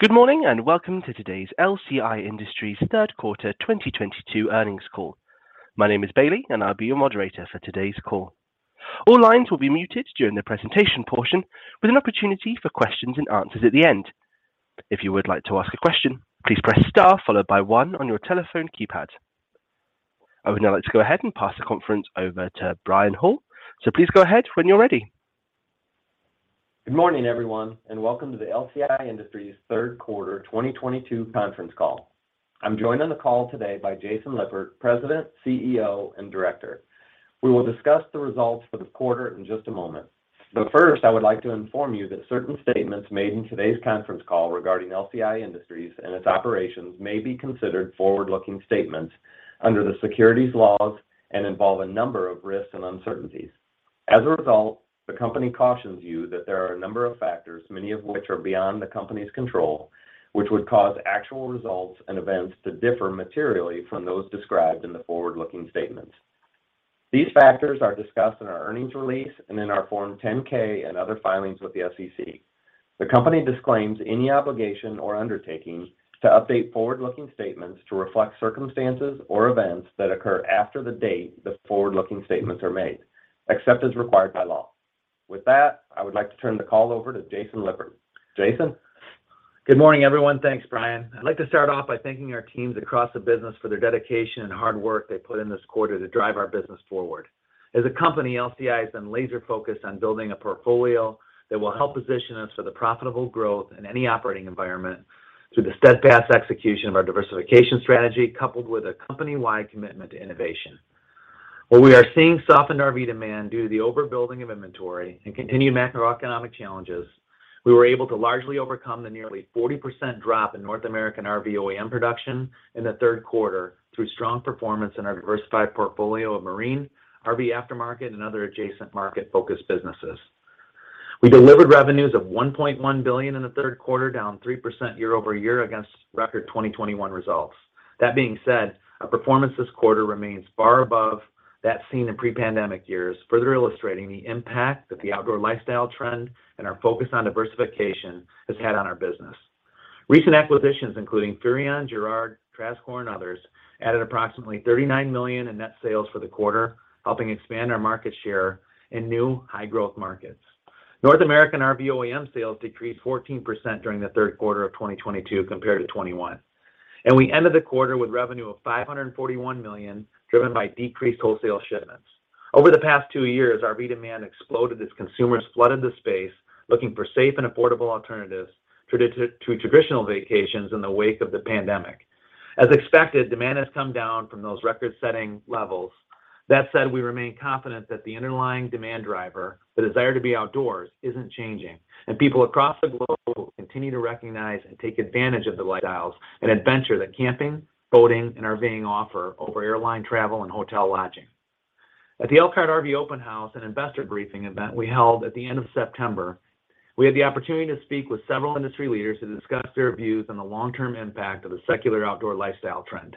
Good morning, and welcome to today's LCI Industries Q3 2022 earnings call. My name is Bailey, and I'll be your moderator for today's call. All lines will be muted during the presentation portion with an opportunity for questions and answers at the end. If you would like to ask a question, please press star followed by one on your telephone keypad. I would now like to go ahead and pass the conference over to Brian Hall. Please go ahead when you're ready. Good morning, everyone, and welcome to the LCI Industries third quarter 2022 conference call. I'm joined on the call today by Jason Lippert, President, CEO, and Director. We will discuss the results for the quarter in just a moment. First, I would like to inform you that certain statements made in today's conference call regarding LCI Industries and its operations may be considered forward-looking statements under the securities laws and involve a number of risks and uncertainties. As a result, the company cautions you that there are a number of factors, many of which are beyond the company's control, which would cause actual results and events to differ materially from those described in the forward-looking statements. These factors are discussed in our earnings release and in our Form 10-K and other filings with the SEC. The company disclaims any obligation or undertaking to update forward-looking statements to reflect circumstances or events that occur after the date the forward-looking statements are made, except as required by law. With that, I would like to turn the call over to Jason Lippert. Jason? Good morning, everyone. Thanks, Brian. I'd like to start off by thanking our teams across the business for their dedication and hard work they put in this quarter to drive our business forward. As a company, LCI has been laser-focused on building a portfolio that will help position us for the profitable growth in any operating environment through the steadfast execution of our diversification strategy, coupled with a company-wide commitment to innovation. While we are seeing softened RV demand due to the overbuilding of inventory and continued macroeconomic challenges, we were able to largely overcome the nearly 40% drop in North American RV OEM production in the third quarter through strong performance in our diversified portfolio of marine, RV aftermarket, and other adjacent market-focused businesses. We delivered revenues of $1.1 billion in the third quarter, down 3% year over year against record 2021 results. That being said, our performance this quarter remains far above that seen in pre-pandemic years, further illustrating the impact that the outdoor lifestyle trend and our focus on diversification has had on our business. Recent acquisitions, including Furrion, Girard, Trazar, others, added approximately $39 million in net sales for the quarter, helping expand our market share in new high-growth markets. North American RV OEM sales decreased 14% during the third quarter of 2022 compared to 2021. We ended the quarter with revenue of $541 million, driven by decreased wholesale shipments. Over the past 2 years, RV demand exploded as consumers flooded the space, looking for safe and affordable alternatives traditional vacations in the wake of the pandemic. As expected, demand has come down from those record-setting levels. That said, we remain confident that the underlying demand driver, the desire to be outdoors, isn't changing, and people across the globe continue to recognize and take advantage of the lifestyles and adventure that camping, boating, and RVing offer over airline travel and hotel lodging. At the Elkhart RV Open House, an investor briefing event we held at the end of September, we had the opportunity to speak with several industry leaders to discuss their views on the long-term impact of the secular outdoor lifestyle trend,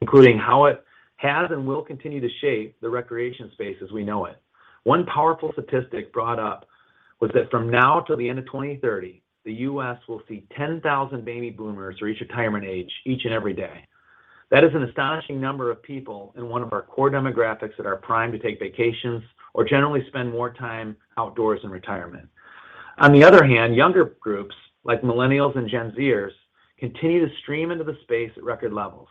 including how it has and will continue to shape the recreation space as we know it. One powerful statistic brought up was that from now till the end of 2030, the U.S. will see 10,000 baby boomers reach retirement age each and every day. That is an astonishing number of people in one of our core demographics that are primed to take vacations or generally spend more time outdoors in retirement. On the other hand, younger groups like millennials and Gen Zers continue to stream into the space at record levels.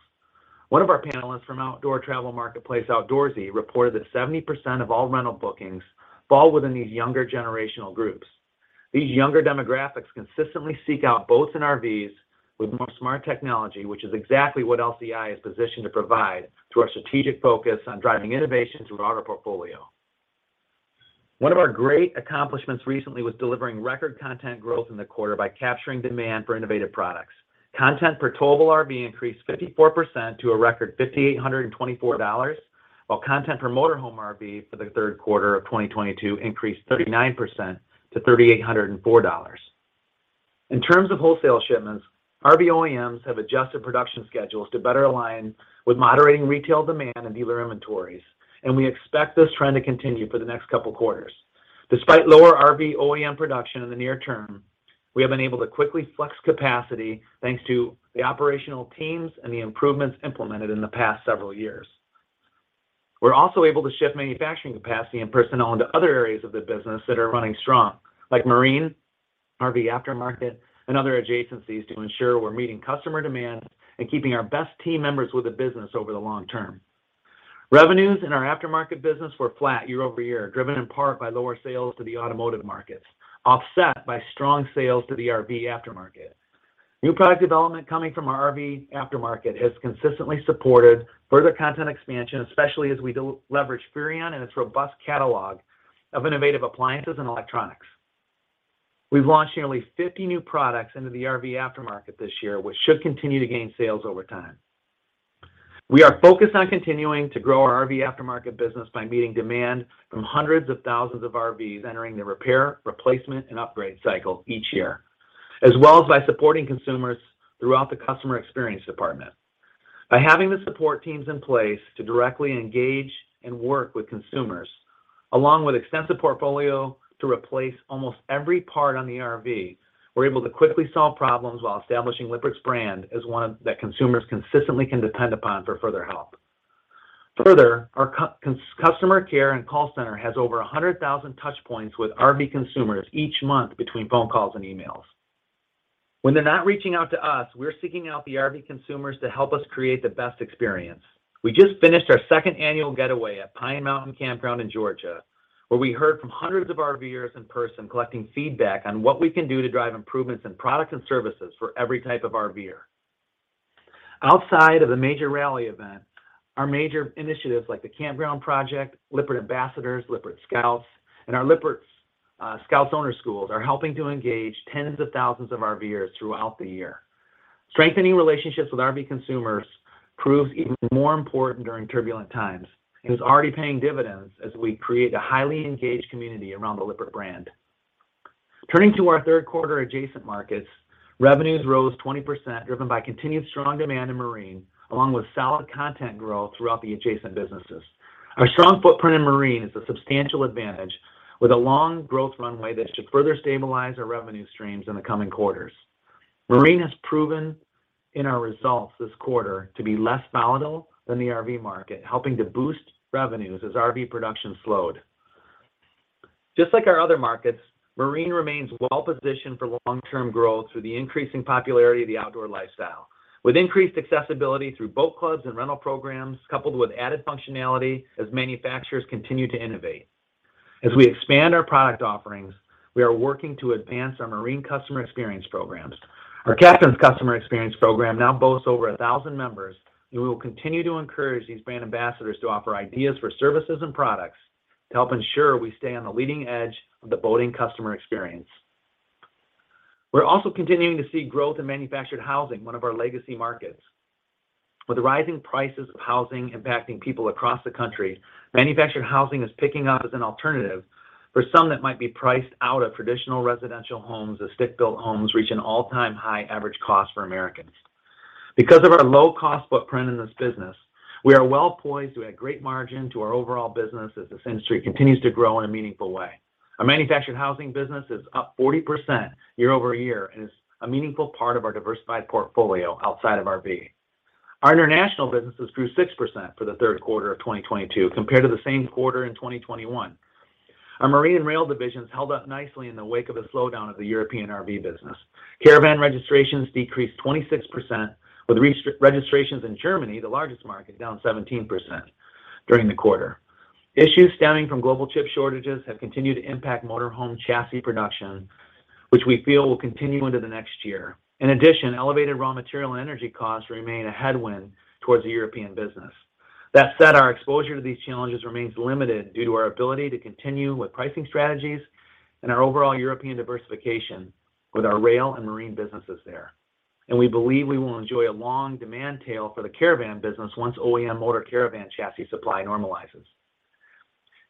One of our panelists from outdoor travel marketplace Outdoorsy reported that 70% of all rental bookings fall within these younger generational groups. These younger demographics consistently seek out boats and RVs with more smart technology, which is exactly what LCI is positioned to provide through our strategic focus on driving innovation throughout our portfolio. One of our great accomplishments recently was delivering record content growth in the quarter by capturing demand for innovative products. Content per towable RV increased 54% to a record $5,824, while content per motorhome RV for the third quarter of 2022 increased 39% to $3,804. In terms of wholesale shipments, RV OEMs have adjusted production schedules to better align with moderating retail demand and dealer inventories, and we expect this trend to continue for the next couple quarters. Despite lower RV OEM production in the near term, we have been able to quickly flex capacity thanks to the operational teams and the improvements implemented in the past several years. We're also able to shift manufacturing capacity and personnel into other areas of the business that are running strong, like marine, RV aftermarket, and other adjacencies to ensure we're meeting customer demand and keeping our best team members with the business over the long term. Revenues in our aftermarket business were flat year-over-year, driven in part by lower sales to the automotive markets, offset by strong sales to the RV aftermarket. New product development coming from our RV aftermarket has consistently supported further content expansion, especially as we leverage Furrion and its robust catalog of innovative appliances and electronics. We've launched nearly 50 new products into the RV aftermarket this year, which should continue to gain sales over time. We are focused on continuing to grow our RV aftermarket business by meeting demand from hundreds of thousands of RVs entering the repair, replacement, and upgrade cycle each year, as well as by supporting consumers throughout the customer experience department. By having the support teams in place to directly engage and work with consumers, along with extensive portfolio to replace almost every part on the RV, we're able to quickly solve problems while establishing Lippert's brand as one that consumers consistently can depend upon for further help. Further, our customer care and call center has over 100,000 touchpoints with RV consumers each month between phone calls and emails. When they're not reaching out to us, we're seeking out the RV consumers to help us create the best experience. We just finished our second annual getaway at Pine Mountain Campground in Georgia, where we heard from hundreds of RVers in person collecting feedback on what we can do to drive improvements in products and services for every type of RVer. Outside of the major rally event, our major initiatives like the campground project, Lippert Ambassadors, Lippert Scouts, and our Lippert Scouts Owner Schools are helping to engage tens of thousands of RVers throughout the year. Strengthening relationships with RV consumers proves even more important during turbulent times, and is already paying dividends as we create a highly engaged community around the Lippert brand. Turning to our third quarter adjacent markets, revenues rose 20% driven by continued strong demand in marine, along with solid content growth throughout the adjacent businesses. Our strong footprint in marine is a substantial advantage with a long growth runway that should further stabilize our revenue streams in the coming quarters. Marine has proven in our results this quarter to be less volatile than the RV market, helping to boost revenues as RV production slowed. Just like our other markets, marine remains well-positioned for long-term growth through the increasing popularity of the outdoor lifestyle. With increased accessibility through boat clubs and rental programs, coupled with added functionality as manufacturers continue to innovate. As we expand our product offerings, we are working to advance our marine customer experience programs. Our Captain's customer experience program now boasts over a thousand members, and we will continue to encourage these brand ambassadors to offer ideas for services and products to help ensure we stay on the leading edge of the boating customer experience. We're also continuing to see growth in manufactured housing, one of our legacy markets. With the rising prices of housing impacting people across the country, manufactured housing is picking up as an alternative for some that might be priced out of traditional residential homes as stick-built homes reach an all-time high average cost for Americans. Because of our low-cost footprint in this business, we are well-poised to add great margin to our overall business as this industry continues to grow in a meaningful way. Our manufactured housing business is up 40% year-over-year and is a meaningful part of our diversified portfolio outside of RV. Our international businesses grew 6% for the third quarter of 2022 compared to the same quarter in 2021. Our marine and rail divisions held up nicely in the wake of a slowdown of the European RV business. Caravan registrations decreased 26% with re-registrations in Germany, the largest market, down 17% during the quarter. Issues stemming from global chip shortages have continued to impact motor home chassis production, which we feel will continue into the next year. In addition, elevated raw material and energy costs remain a headwind towards the European business. That said, our exposure to these challenges remains limited due to our ability to continue with pricing strategies and our overall European diversification with our rail and marine businesses there. We believe we will enjoy a long demand tail for the caravan business once OEM motor caravan chassis supply normalizes.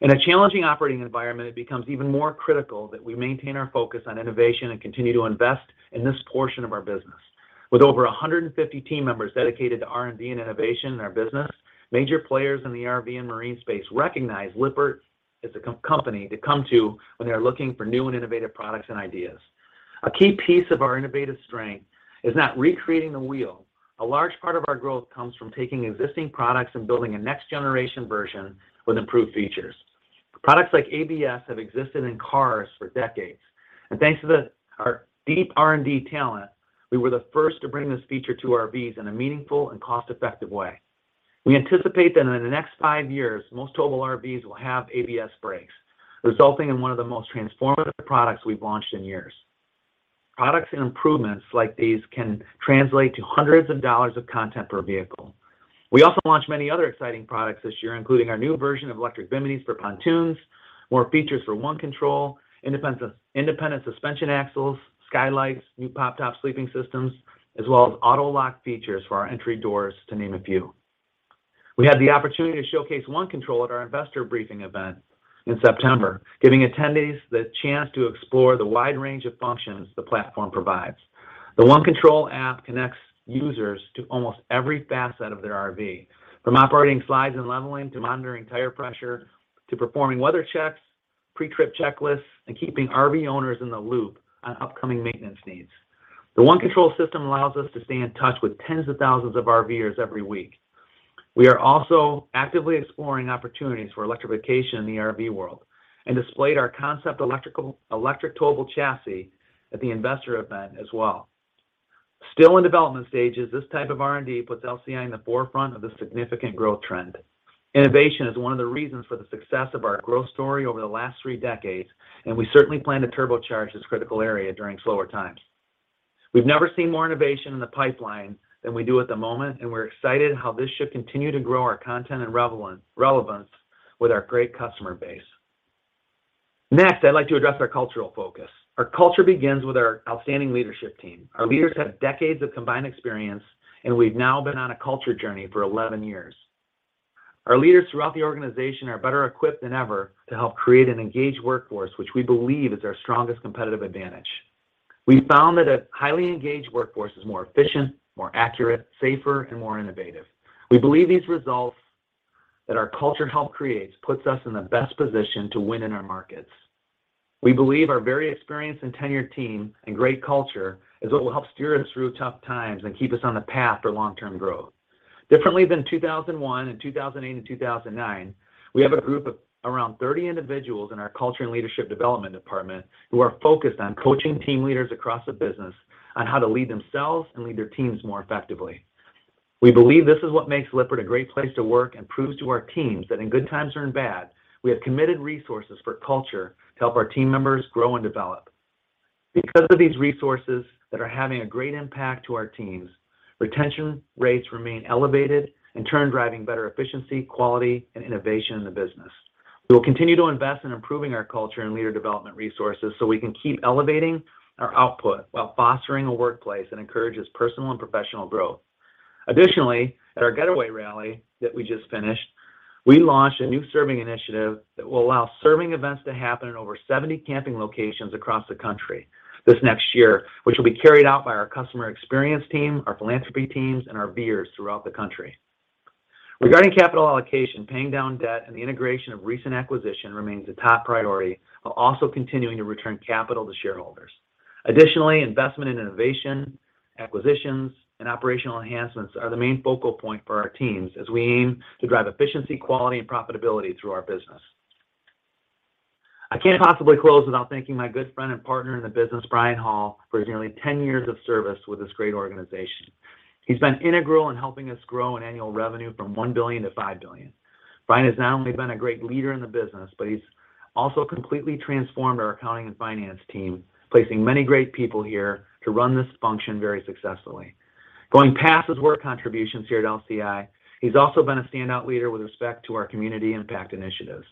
In a challenging operating environment, it becomes even more critical that we maintain our focus on innovation and continue to invest in this portion of our business. With over 150 team members dedicated to R&D and innovation in our business, major players in the RV and marine space recognize Lippert is the go-to company to come to when they are looking for new and innovative products and ideas. A key piece of our innovative strength is not reinventing the wheel. A large part of our growth comes from taking existing products and building a next generation version with improved features. Products like ABS have existed in cars for decades, and thanks to our deep R&D talent, we were the first to bring this feature to RVs in a meaningful and cost-effective way. We anticipate that in the next 5 years, most towable RVs will have ABS brakes, resulting in one of the most transformative products we've launched in years. Products and improvements like these can translate to hundreds of dollars of content per vehicle. We also launched many other exciting products this year, including our new version of electric biminis for pontoons, more features for OneControl, Independent Suspension Axles, skylights, new pop-top sleeping systems, as well as auto-lock features for our entry doors, to name a few. We had the opportunity to showcase OneControl at our investor briefing event in September, giving attendees the chance to explore the wide range of functions the platform provides. The OneControl app connects users to almost every facet of their RV, from operating slides and leveling, to monitoring tire pressure, to performing weather checks, pre-trip checklists, and keeping RV owners in the loop on upcoming maintenance needs. The OneControl system allows us to stay in touch with tens of thousands of RVers every week. We are also actively exploring opportunities for electrification in the RV world and displayed our concept electric towable chassis at the investor event as well. Still in development stages, this type of R&D puts LCI in the forefront of the significant growth trend. Innovation is one of the reasons for the success of our growth story over the last three decades, and we certainly plan to turbocharge this critical area during slower times. We've never seen more innovation in the pipeline than we do at the moment, and we're excited how this should continue to grow our content and relevance with our great customer base. Next, I'd like to address our cultural focus. Our culture begins with our outstanding leadership team. Our leaders have decades of combined experience, and we've now been on a culture journey for 11 years. Our leaders throughout the organization are better equipped than ever to help create an engaged workforce, which we believe is our strongest competitive advantage. We found that a highly engaged workforce is more efficient, more accurate, safer, and more innovative. We believe these results that our culture help creates puts us in the best position to win in our markets. We believe our very experienced and tenured team and great culture is what will help steer us through tough times and keep us on the path for long-term growth. Differently than 2001 and 2008 and 2009, we have a group of around 30 individuals in our culture and leadership development department who are focused on coaching team leaders across the business on how to lead themselves and lead their teams more effectively. We believe this is what makes Lippert a great place to work and proves to our teams that in good times or in bad, we have committed resources for culture to help our team members grow and develop. Because of these resources that are having a great impact to our teams, retention rates remain elevated, in turn driving better efficiency, quality, and innovation in the business. We will continue to invest in improving our culture and leader development resources so we can keep elevating our output while fostering a workplace that encourages personal and professional growth. At our Getaway rally that we just finished, we launched a new serving initiative that will allow serving events to happen in over 70 camping locations across the country this next year, which will be carried out by our customer experience team, our philanthropy teams, and our RVers throughout the country. Regarding capital allocation, paying down debt and the integration of recent acquisition remains a top priority while also continuing to return capital to shareholders. Additionally, investment in innovation, acquisitions, and operational enhancements are the main focal point for our teams as we aim to drive efficiency, quality, and profitability through our business. I can't possibly close without thanking my good friend and partner in the business, Brian Hall, for his nearly 10 years of service with this great organization. He's been integral in helping us grow our annual revenue from $1 billion-$5 billion. Brian has not only been a great leader in the business, but he's also completely transformed our accounting and finance team, placing many great people here to run this function very successfully. Going past his work contributions here at LCI, he's also been a standout leader with respect to our community impact initiatives.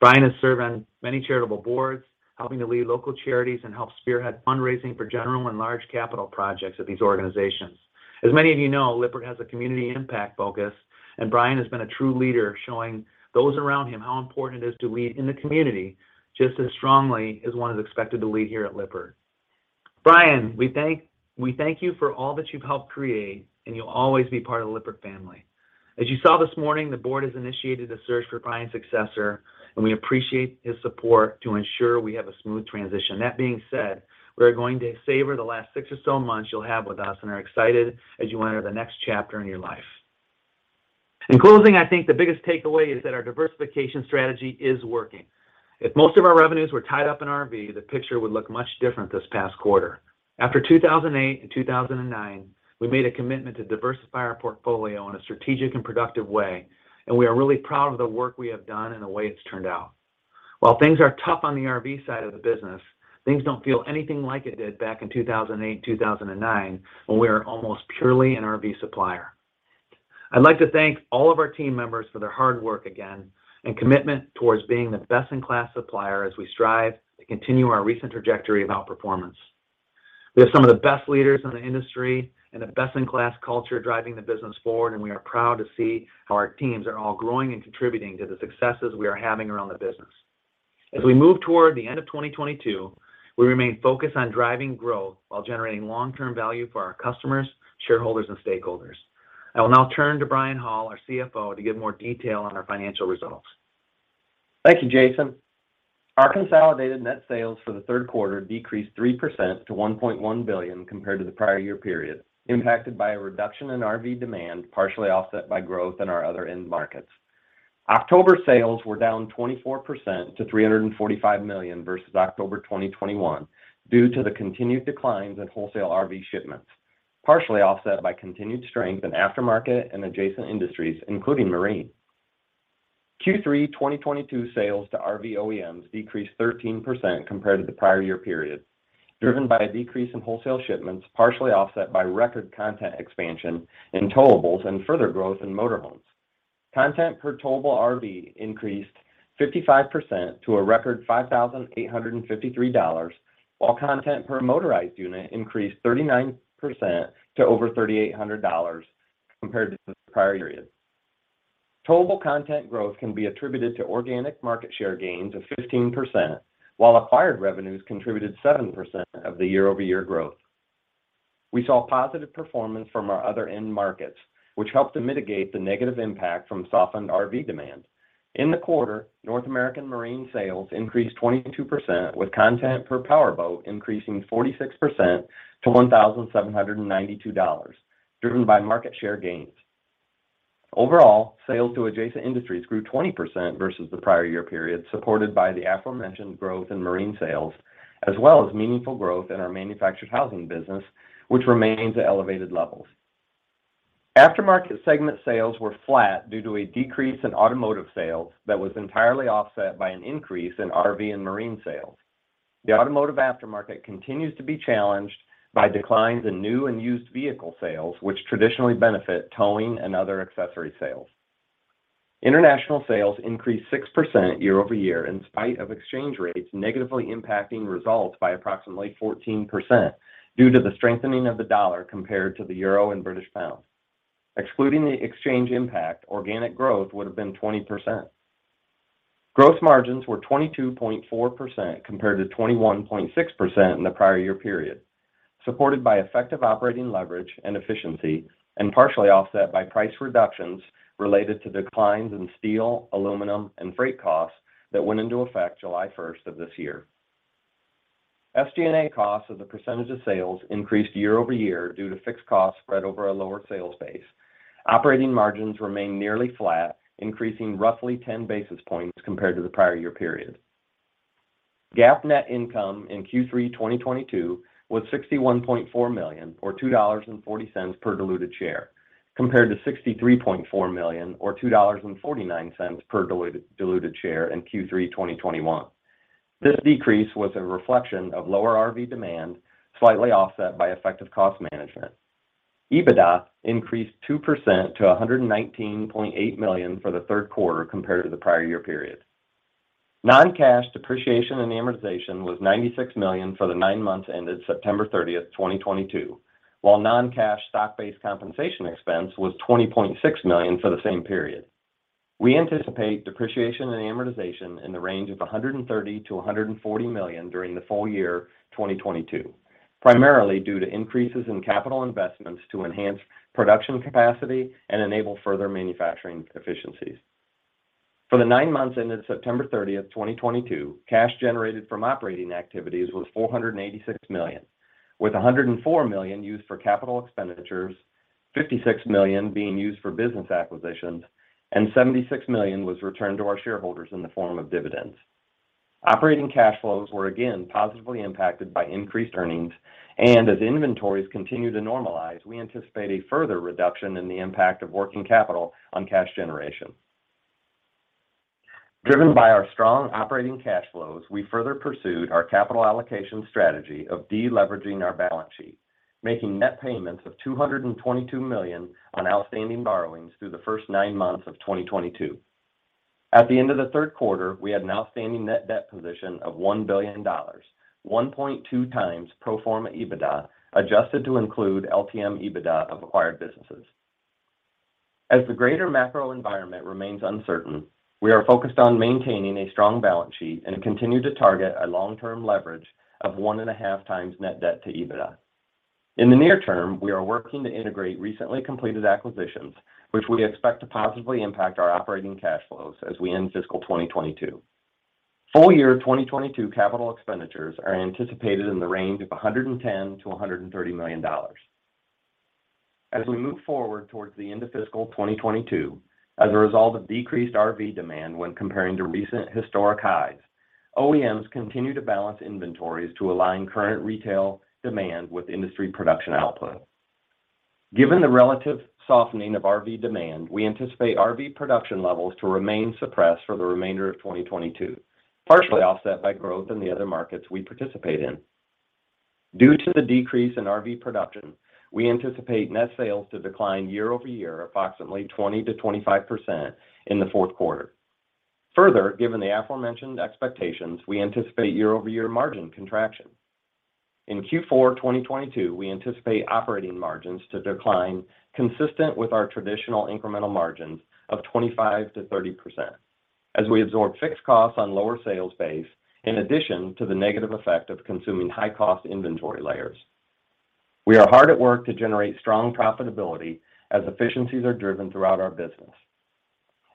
Brian has served on many charitable boards, helping to lead local charities and help spearhead fundraising for general and large capital projects at these organizations. As many of you know, Lippert has a community impact focus, and Brian has been a true leader showing those around him how important it is to lead in the community just as strongly as one is expected to lead here at Lippert. Brian, we thank you for all that you've helped create, and you'll always be part of the Lippert family. As you saw this morning, the board has initiated a search for Brian's successor, and we appreciate his support to ensure we have a smooth transition. That being said, we're going to savor the last six or so months you'll have with us and are excited as you enter the next chapter in your life. In closing, I think the biggest takeaway is that our diversification strategy is working. If most of our revenues were tied up in RV, the picture would look much different this past quarter. After 2008 and 2009, we made a commitment to diversify our portfolio in a strategic and productive way, and we are really proud of the work we have done and the way it's turned out. While things are tough on the RV side of the business, things don't feel anything like it did back in 2008, 2009, when we were almost purely an RV supplier. I'd like to thank all of our team members for their hard work again and commitment towards being the best-in-class supplier as we strive to continue our recent trajectory of outperformance. We have some of the best leaders in the industry and the best-in-class culture driving the business forward, and we are proud to see how our teams are all growing and contributing to the successes we are having around the business. As we move toward the end of 2022, we remain focused on driving growth while generating long-term value for our customers, shareholders, and stakeholders. I will now turn to Brian Hall, our CFO, to give more detail on our financial results. Thank you, Jason. Our consolidated net sales for the third quarter decreased 3% to $1.1 billion compared to the prior year period, impacted by a reduction in RV demand, partially offset by growth in our other end markets. October sales were down 24% to $345 million versus October 2021 due to the continued declines in wholesale RV shipments, partially offset by continued strength in aftermarket and adjacent industries, including marine. Q3 2022 sales to RV OEMs decreased 13% compared to the prior year period, driven by a decrease in wholesale shipments, partially offset by record content expansion in towables and further growth in motorhomes. Content per towable RV increased 55% to a record $5,853, while content per motorized unit increased 39% to over $3,800 compared to the prior period. Towable content growth can be attributed to organic market share gains of 15%, while acquired revenues contributed 7% of the year-over-year growth. We saw positive performance from our other end markets, which helped to mitigate the negative impact from softened RV demand. In the quarter, North American marine sales increased 22%, with content per power boat increasing 46% to $1,792, driven by market share gains. Overall, sales to adjacent industries grew 20% versus the prior year period, supported by the aforementioned growth in marine sales, as well as meaningful growth in our manufactured housing business, which remains at elevated levels. Aftermarket segment sales were flat due to a decrease in automotive sales that was entirely offset by an increase in RV and marine sales. The automotive aftermarket continues to be challenged by declines in new and used vehicle sales, which traditionally benefit towing and other accessory sales. International sales increased 6% year-over-year in spite of exchange rates negatively impacting results by approximately 14% due to the strengthening of the dollar compared to the euro and British pound. Excluding the exchange impact, organic growth would have been 20%. Gross margins were 22.4% compared to 21.6% in the prior year period, supported by effective operating leverage and efficiency and partially offset by price reductions related to declines in steel, aluminum and freight costs that went into effect July first of this year. SG&A costs as a percentage of sales increased year-over-year due to fixed costs spread over a lower sales base. Operating margins remained nearly flat, increasing roughly 10 basis points compared to the prior year period. GAAP net income in Q3 2022 was $61.4 million or $2.40 per diluted share, compared to $63.4 million or $2.49 per diluted share in Q3 2021. This decrease was a reflection of lower RV demand, slightly offset by effective cost management. EBITDA increased 2% to $119.8 million for the third quarter compared to the prior year period. Non-cash depreciation and amortization was $96 million for the nine months ended September 30, 2022, while non-cash stock-based compensation expense was $20.6 million for the same period. We anticipate depreciation and amortization in the range of $130 million-$140 million during the full year 2022, primarily due to increases in capital investments to enhance production capacity and enable further manufacturing efficiencies. For the nine months ended September 30, 2022, cash generated from operating activities was $486 million, with $104 million used for capital expenditures, $56 million being used for business acquisitions and $76 million was returned to our shareholders in the form of dividends. Operating cash flows were again positively impacted by increased earnings, and as inventories continue to normalize, we anticipate a further reduction in the impact of working capital on cash generation. Driven by our strong operating cash flows, we further pursued our capital allocation strategy of deleveraging our balance sheet, making net payments of $222 million on outstanding borrowings through the first nine months of 2022. At the end of the third quarter, we had an outstanding net debt position of $1 billion, 1.2x pro forma EBITDA, adjusted to include LTM EBITDA of acquired businesses. As the greater macro environment remains uncertain, we are focused on maintaining a strong balance sheet and continue to target a long-term leverage of 1.5x net debt to EBITDA. In the near term, we are working to integrate recently completed acquisitions, which we expect to positively impact our operating cash flows as we end fiscal 2022. Full year 2022 capital expenditures are anticipated in the range of $110 million-$130 million. As we move forward towards the end of fiscal 2022, as a result of decreased RV demand when comparing to recent historic highs, OEMs continue to balance inventories to align current retail demand with industry production output. Given the relative softening of RV demand, we anticipate RV production levels to remain suppressed for the remainder of 2022, partially offset by growth in the other markets we participate in. Due to the decrease in RV production, we anticipate net sales to decline year-over-year approximately 20%-25% in the fourth quarter. Further, given the aforementioned expectations, we anticipate year-over-year margin contraction. In Q4 2022, we anticipate operating margins to decline consistent with our traditional incremental margins of 25%-30% as we absorb fixed costs on lower sales base in addition to the negative effect of consuming high cost inventory layers. We are hard at work to generate strong profitability as efficiencies are driven throughout our business,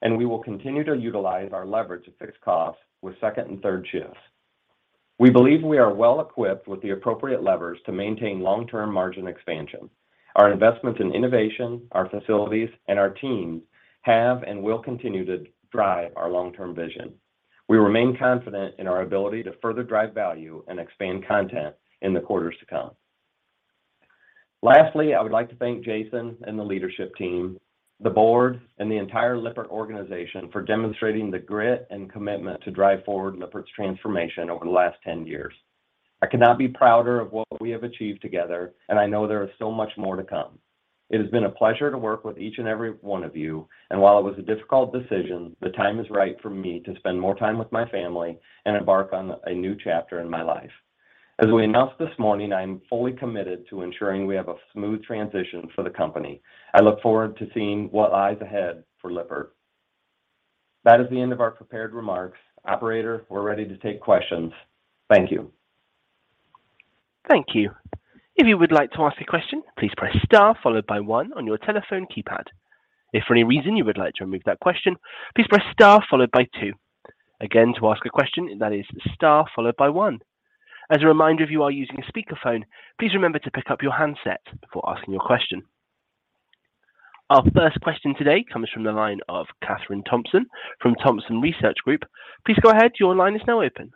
and we will continue to utilize our leverage to fixed costs with second and third shifts. We believe we are well equipped with the appropriate levers to maintain long-term margin expansion. Our investments in innovation, our facilities and our teams have and will continue to drive our long-term vision. We remain confident in our ability to further drive value and expand content in the quarters to come. Lastly, I would like to thank Jason and the leadership team, the board and the entire Lippert organization for demonstrating the grit and commitment to drive forward Lippert's transformation over the last 10 years. I could not be prouder of what we have achieved together, and I know there is so much more to come. It has been a pleasure to work with each and every one of you, and while it was a difficult decision, the time is right for me to spend more time with my family and embark on a new chapter in my life. As we announced this morning, I am fully committed to ensuring we have a smooth transition for the company. I look forward to seeing what lies ahead for Lippert. That is the end of our prepared remarks. Operator, we're ready to take questions. Thank you. Thank you. If you would like to ask a question, please press star followed by one on your telephone keypad. If for any reason you would like to remove that question, please press star followed by two. Again, to ask a question, that is star followed by one. As a reminder, if you are using a speakerphone, please remember to pick up your handset before asking your question. Our first question today comes from the line of Kathryn Thompson from Thompson Research Group. Please go ahead. Your line is now open.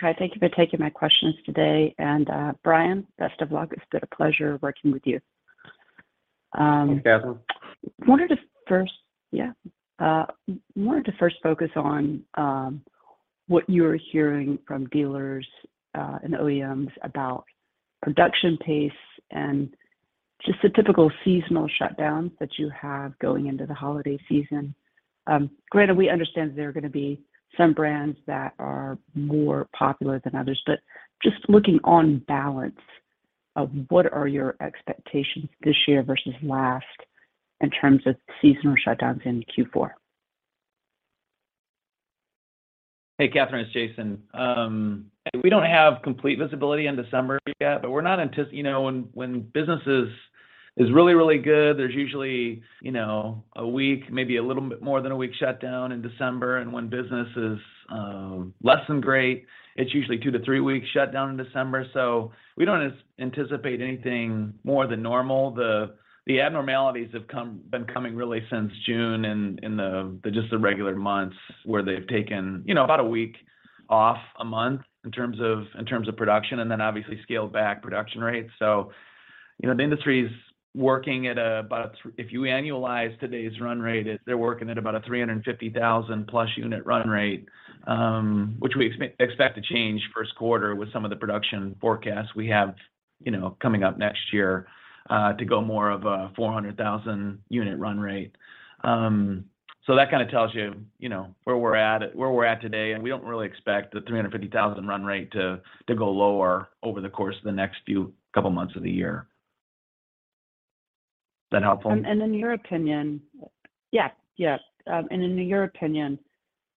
Hi. Thank you for taking my questions today. Brian, best of luck. It's been a pleasure working with you. Thanks, Kathryn. Wanted to first focus on what you are hearing from dealers and OEMs about production pace and just the typical seasonal shutdowns that you have going into the holiday season. Granted, we understand there are gonna be some brands that are more popular than others, but just looking on balance. What are your expectations this year versus last in terms of seasonal shutdowns in Q4? Hey, Kathryn, it's Jason. We don't have complete visibility in December yet, but we're not. You know, when business is really good, there's usually, you know, a week, maybe a little bit more than a week shutdown in December. When business is less than great, it's usually 2-3 weeks shutdown in December. We don't anticipate anything more than normal. The abnormalities have been coming really since June in just the regular months, where they've taken, you know, about a week off a month in terms of production and then obviously scaled back production rates. You know, the industry's working at about... If you annualize today's run rate, it's they're working at about a 350,000+ unit run rate, which we expect to change first quarter with some of the production forecasts we have, you know, coming up next year, to go more of a 400,000 unit run rate. So that kind of tells you know, where we're at today, and we don't really expect the 350,000 run rate to go lower over the course of the next few couple months of the year. Is that helpful? In your opinion,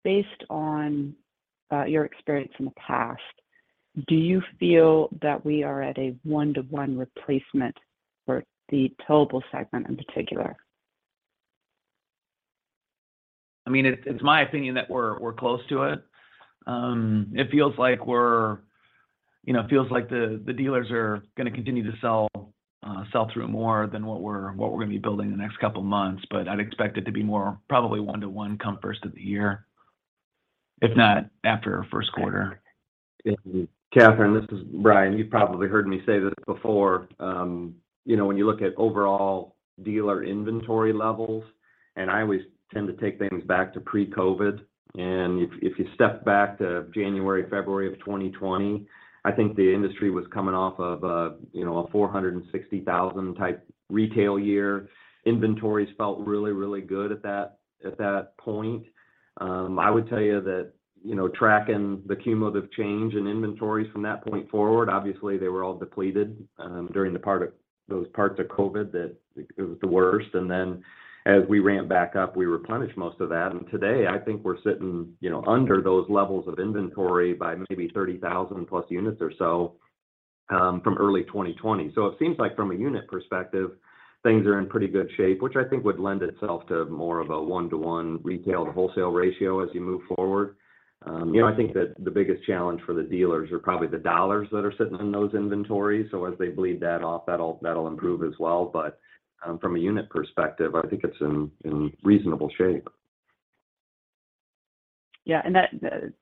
based on your experience from the past, do you feel that we are at a one-to-one replacement for the towable segment in particular? I mean, it's my opinion that we're close to it. You know, it feels like the dealers are gonna continue to sell through more than what we're gonna be building the next couple months. I'd expect it to be more probably one-to-one come first of the year, if not after first quarter. Kathryn, this is Brian. You've probably heard me say this before. You know, when you look at overall dealer inventory levels, and I always tend to take things back to pre-COVID, and if you step back to January, February of 2020, I think the industry was coming off of, you know, a 460,000 type retail year. Inventories felt really good at that point. I would tell you that, you know, tracking the cumulative change in inventories from that point forward, obviously they were all depleted during those parts of COVID that it was the worst. Then as we ramped back up, we replenished most of that. Today, I think we're sitting, you know, under those levels of inventory by maybe 30,000+ units or so from early 2020. It seems like from a unit perspective, things are in pretty good shape, which I think would lend itself to more of a one-to-one retail to wholesale ratio as you move forward. You know, I think that the biggest challenge for the dealers are probably the dollars that are sitting in those inventories. As they bleed that off, that'll improve as well. From a unit perspective, I think it's in reasonable shape. Yeah. That's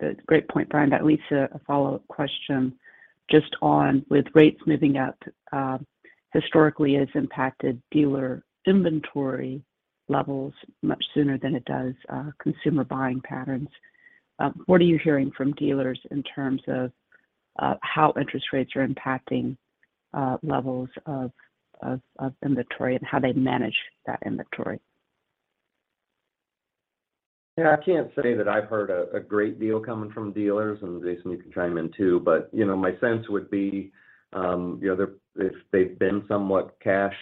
a great point, Brian. That leads to a follow-up question just on with rates moving up. Historically has impacted dealer inventory levels much sooner than it does consumer buying patterns. What are you hearing from dealers in terms of how interest rates are impacting levels of inventory and how they manage that inventory? Yeah, I can't say that I've heard a great deal coming from dealers, and Jason, you can chime in too. You know, my sense would be, you know, if they've been somewhat cash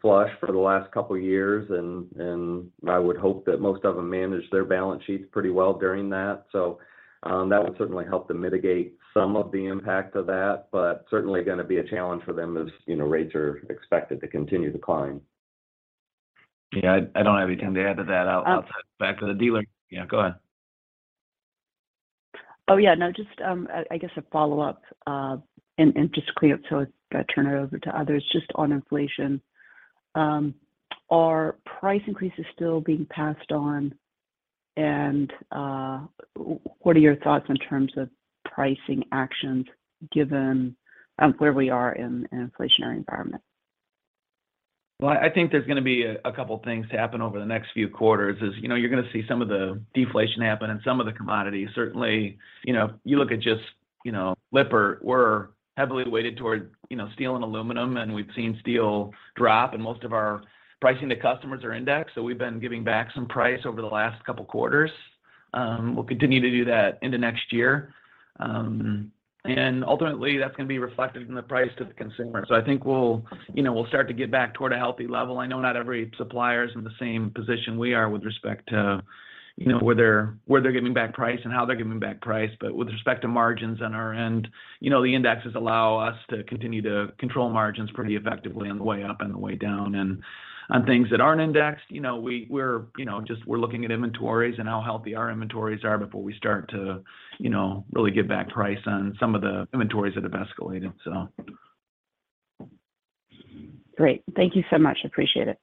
flush for the last couple years, and I would hope that most of them manage their balance sheets pretty well during that. That would certainly help to mitigate some of the impact of that, but certainly gonna be a challenge for them as you know, rates are expected to continue to climb. Yeah, I don't have anything to add to that. I'll tap back to the dealer. Yeah, go ahead. Oh, yeah. No, just, I guess a follow-up, and just to clear up so as I turn it over to others, just on inflation. Are price increases still being passed on? What are your thoughts in terms of pricing actions given, where we are in an inflationary environment? Well, I think there's gonna be a couple things to happen over the next few quarters. You know, you're gonna see some of the deflation happen in some of the commodities. Certainly, you know, you look at just Lippert. We're heavily weighted toward steel and aluminum, and we've seen steel drop, and most of our pricing to customers are indexed. So we've been giving back some price over the last couple quarters. We'll continue to do that into next year. And ultimately, that's gonna be reflected in the price to the consumer. So I think we'll start to get back toward a healthy level. I know not every supplier is in the same position we are with respect to where they're giving back price and how they're giving back price. With respect to margins on our end, you know, the indexes allow us to continue to control margins pretty effectively on the way up and the way down. On things that aren't indexed, you know, we're just looking at inventories and how healthy our inventories are before we start to, you know, really give back price on some of the inventories that have escalated, so. Great. Thank you so much. Appreciate it.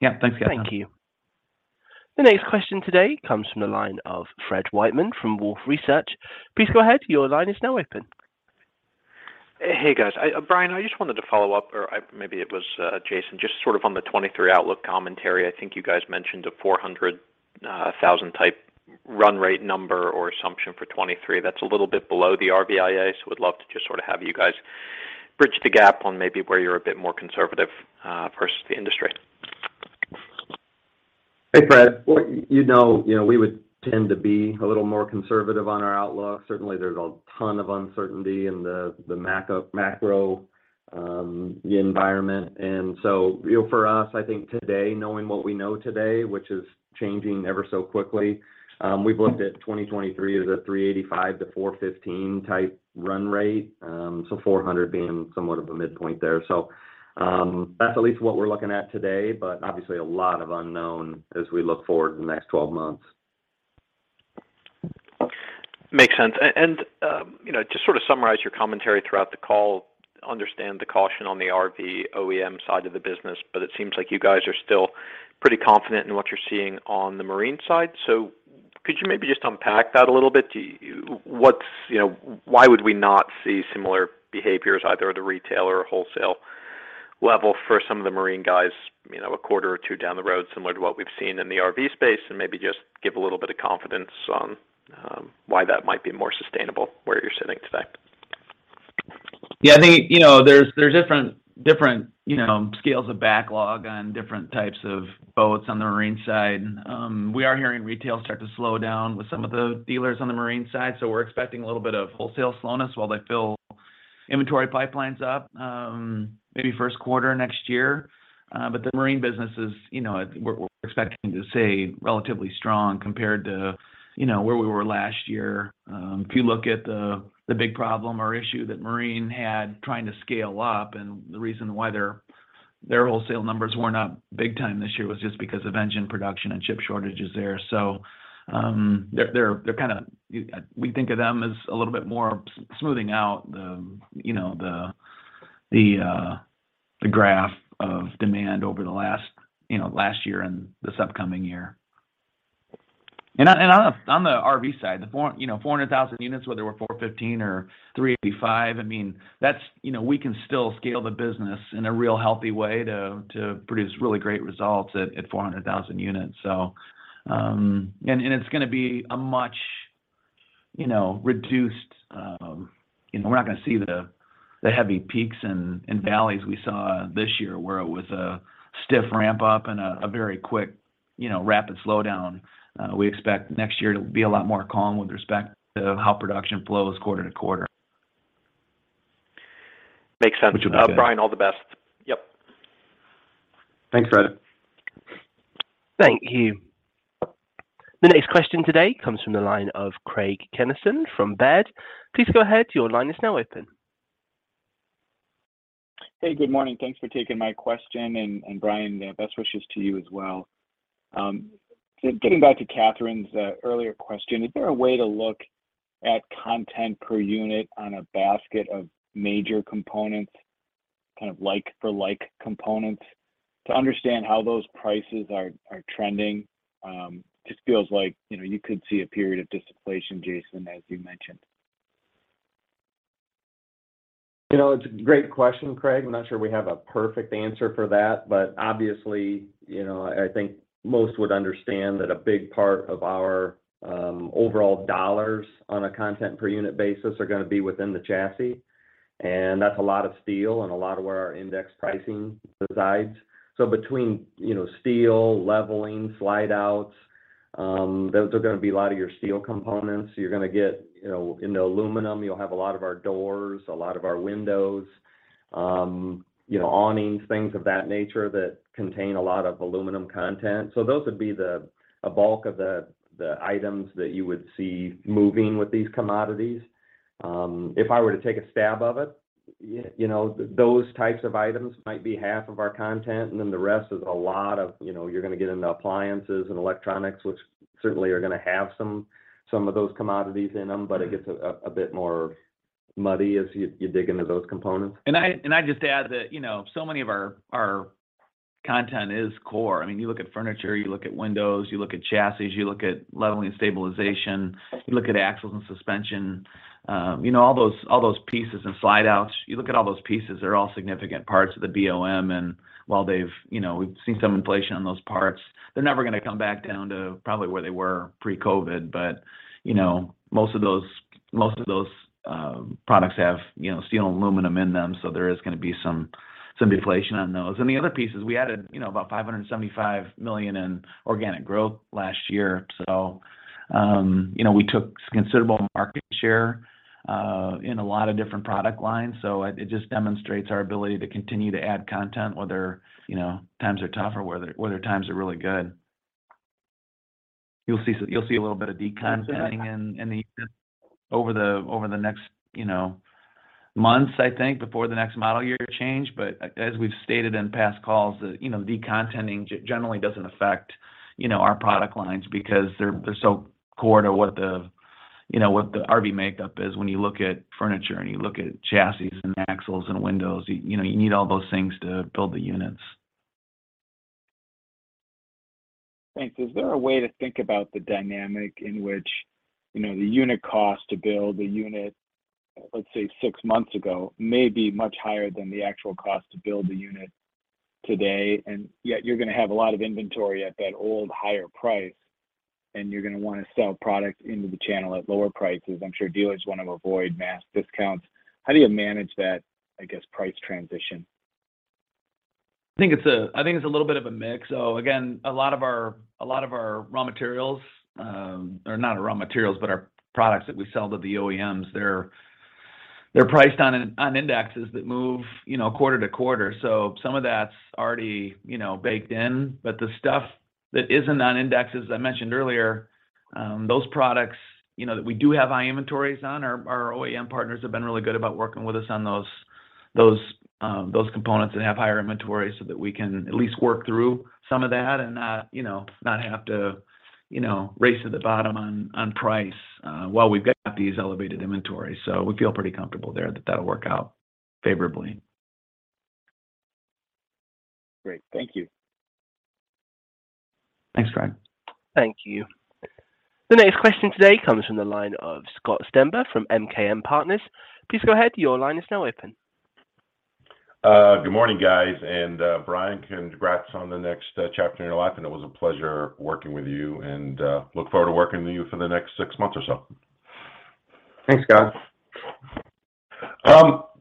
Yeah. Thanks, Kathryn Thank you. The next question today comes from the line of Fred Wightman from Wolfe Research. Please go ahead. Your line is now open. Hey, guys. Brian, I just wanted to follow up, or maybe it was Jason, just sort of on the 2023 outlook commentary. I think you guys mentioned a 400,000 type run rate number or assumption for 2023. That's a little bit below the RVIA, so would love to just sort of have you guys bridge the gap on maybe where you're a bit more conservative versus the industry. Hey, Fred. Well, you know, we would tend to be a little more conservative on our outlook. Certainly, there's a ton of uncertainty in the macro environment. You know, for us, I think today, knowing what we know today, which is changing ever so quickly, we've looked at 2023 as a $385-$415 type run rate. Four hundred being somewhat of a midpoint there. That's at least what we're looking at today, but obviously a lot of unknown as we look forward to the next 12 months. Makes sense. You know, to sort of summarize your commentary throughout the call, understand the caution on the RV OEM side of the business, but it seems like you guys are still pretty confident in what you're seeing on the marine side. Could you maybe just unpack that a little bit? You know, why would we not see similar behaviors either at a retail or a wholesale level for some of the marine guys, you know, a quarter or two down the road, similar to what we've seen in the RV space, and maybe just give a little bit of confidence on why that might be more sustainable where you're sitting today? Yeah. I think, you know, there's different scales of backlog on different types of boats on the marine side. We are hearing retail start to slow down with some of the dealers on the marine side, so we're expecting a little bit of wholesale slowness while they fill inventory pipelines up, maybe first quarter next year. The marine business is, you know, we're expecting to stay relatively strong compared to, you know, where we were last year. If you look at the big problem or issue that marine had trying to scale up and the reason why their wholesale numbers were not big time this year was just because of engine production and chip shortages there. We think of them as a little bit more smoothing out the, you know, the graph of demand over the last, you know, last year and this upcoming year. On the RV side, the 400,000 units, whether we're 415 or 385, that's we can still scale the business in a real healthy way to produce really great results at 400,000 units. It's gonna be a much reduced. We're not gonna see the heavy peaks and valleys we saw this year, where it was a stiff ramp up and a very quick rapid slowdown. We expect next year to be a lot more calm with respect to how production flows quarter to quarter. Makes sense. Which will be good. Brian Hall, all the best. Yep. Thanks, Fred. Thank you. The next question today comes from the line of Craig Kennison from Baird. Please go ahead. Your line is now open. Hey, good morning. Thanks for taking my question. Brian, best wishes to you as well. Getting back to Kathryn's earlier question, is there a way to look at content per unit on a basket of major components, kind of like for like components, to understand how those prices are trending? Just feels like, you know, you could see a period of disinflation, Jason, as you mentioned. You know, it's a great question, Craig. I'm not sure we have a perfect answer for that. Obviously, you know, I think most would understand that a big part of our overall dollars on a content per unit basis are gonna be within the chassis, and that's a lot of steel and a lot of where our index pricing resides. Between, you know, steel, leveling, slide outs, those are gonna be a lot of your steel components. You're gonna get, you know, into aluminum. You'll have a lot of our doors, a lot of our windows, you know, awnings, things of that nature that contain a lot of aluminum content. Those would be a bulk of the items that you would see moving with these commodities. If I were to take a stab at it, you know, those types of items might be half of our content, and then the rest is a lot of, you know, you're gonna get into appliances and electronics, which certainly are gonna have some of those commodities in them, but it gets a bit more muddy as you dig into those components. I'd just add that, you know, so many of our content is core. I mean, you look at furniture, you look at windows, you look at chassis, you look at leveling and stabilization, you look at axles and suspension, you know, all those pieces and slide outs, you look at all those pieces, they're all significant parts of the BOM. While they've, you know, we've seen some inflation on those parts, they're never gonna come back down to probably where they were pre-COVID. Most of those products have, you know, steel and aluminum in them, so there is gonna be some deflation on those. The other pieces, we added, you know, about $575 million in organic growth last year. You know, we took considerable market share in a lot of different product lines. It just demonstrates our ability to continue to add content, whether, you know, times are tough or whether times are really good. You'll see a little bit of de-contenting in the next, you know, months, I think, before the next model year change. As we've stated in past calls, you know, de-contenting generally doesn't affect, you know, our product lines because they're so core to what the, you know, RV makeup is. When you look at furniture and you look at chassis and axles and windows, you know, you need all those things to build the units. Thanks. Is there a way to think about the dynamic in which, you know, the unit cost to build a unit, let's say six months ago, may be much higher than the actual cost to build the unit today, and yet you're gonna have a lot of inventory at that old higher price? You're gonna wanna sell product into the channel at lower prices. I'm sure dealers wanna avoid mass discounts. How do you manage that, I guess, price transition? I think it's a little bit of a mix. Again, a lot of our raw materials, or not our raw materials, but our products that we sell to the OEMs, they're priced on indexes that move, you know, quarter to quarter. Some of that's already, you know, baked in. The stuff that isn't on indexes, I mentioned earlier, those products, you know, that we do have high inventories on, our OEM partners have been really good about working with us on those components that have higher inventory so that we can at least work through some of that and not, you know, not have to, you know, race to the bottom on price while we've got these elevated inventories. We feel pretty comfortable there that that'll work out favorably. Great. Thank you. Thanks, Craig. Thank you. The next question today comes from the line of Scott Stember from MKM Partners. Please go ahead. Your line is now open. Good morning, guys. Brian, congrats on the next chapter in your life, and it was a pleasure working with you and look forward to working with you for the next six months or so. Thanks, Scott.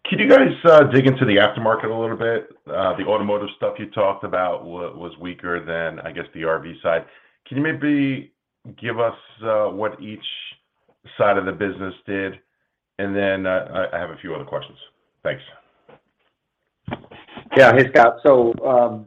Can you guys dig into the aftermarket a little bit? The automotive stuff you talked about was weaker than, I guess, the RV side. Can you maybe give us what each side of the business did? Then, I have a few other questions. Thanks. Yeah. Hey, Scott.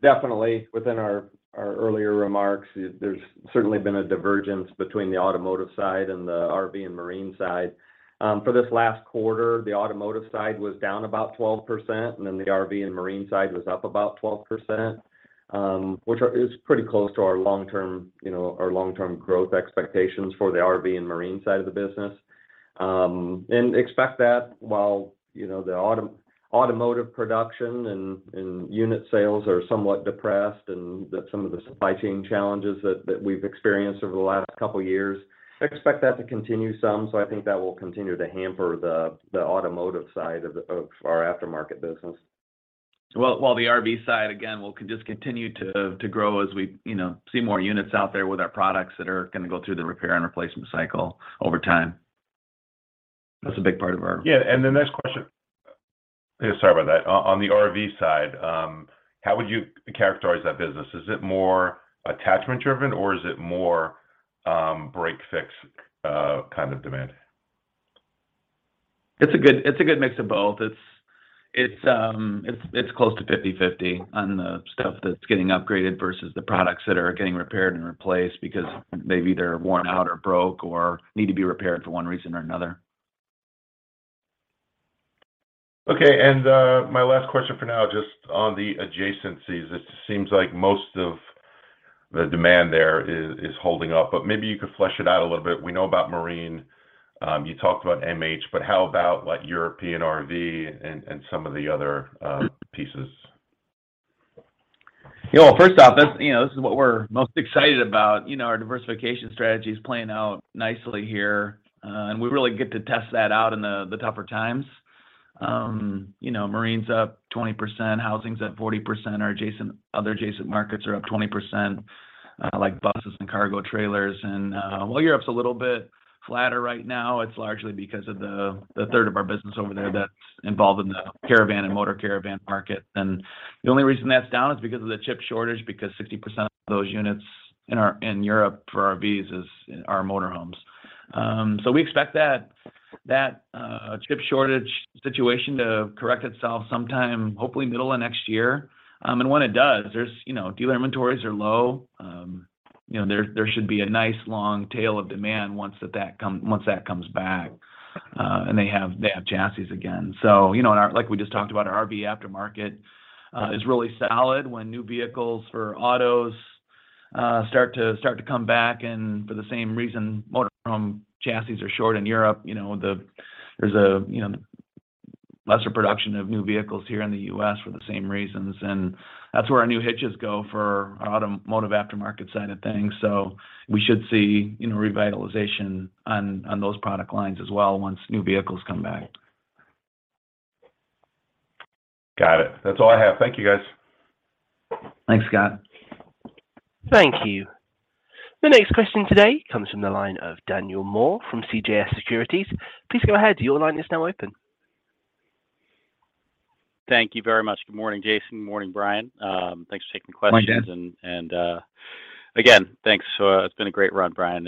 Definitely within our earlier remarks, there's certainly been a divergence between the automotive side and the RV and marine side. For this last quarter, the automotive side was down about 12%, and then the RV and marine side was up about 12%, which is pretty close to our long-term growth expectations for the RV and marine side of the business. Expect that while the automotive production and unit sales are somewhat depressed and that some of the supply chain challenges that we've experienced over the last couple years, expect that to continue some. I think that will continue to hamper the automotive side of our aftermarket business. Well, while the RV side, again, will just continue to grow as we, you know, see more units out there with our products that are gonna go through the repair and replacement cycle over time. That's a big part of our. Yeah. The next question. Yeah, sorry about that. On the RV side, how would you characterize that business? Is it more attachment-driven, or is it more break-fix kind of demand? It's a good mix of both. It's close to 50/50 on the stuff that's getting upgraded versus the products that are getting repaired and replaced because they've either worn out, or broken, or need to be repaired for one reason or another. Okay. My last question for now, just on the adjacencies. It seems like most of the demand there is holding up, but maybe you could flesh it out a little bit. We know about marine, you talked about MH, but how about like European RV and some of the other pieces? You know, first off, that's, you know, this is what we're most excited about. You know, our diversification strategy is playing out nicely here, and we really get to test that out in the tougher times. You know, marine's up 20%, housing's at 40%. Our other adjacent markets are up 20%, like buses and cargo trailers. While Europe's a little bit flatter right now, it's largely because of the third of our business over there that's involved in the caravan and motor caravan market. The only reason that's down is because of the chip shortage, because 60% of those units in Europe for RVs are motor homes. We expect that chip shortage situation to correct itself sometime, hopefully middle of next year. When it does, there's you know dealer inventories are low. You know, there should be a nice long tail of demand once that comes back, and they have chassis again. You know, like we just talked about, our RV aftermarket is really solid when new vehicles for autos start to come back. For the same reason motor home chassis are short in Europe, you know, there's lesser production of new vehicles here in the US for the same reasons. That's where our new hitches go for our automotive aftermarket side of things. We should see you know revitalization on those product lines as well once new vehicles come back. Got it. That's all I have. Thank you, guys. Thanks, Scott. Thank you. The next question today comes from the line of Daniel Moore from CJS Securities. Please go ahead. Your line is now open. Thank you very much. Good morning, Jason. Good morning, Brian. Thanks for taking the questions. Morning, Dan. Again, thanks for it's been a great run, Brian,